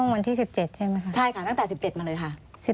วันที่๑๗ใช่ไหมคะใช่ค่ะตั้งแต่๑๗มาเลยค่ะ